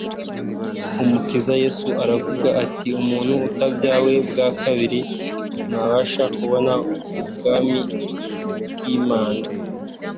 umukiza yesu aravuga ati, umuntu utabyawe ubwa kabiri ntabasha kubona ubwami bw'imana